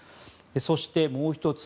そして、もう１つ。